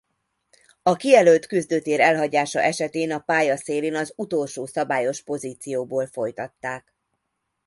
A kijelölt küzdőtér elhagyása esetén a pálya szélén az utolsó szabályos pozícióból folytatták.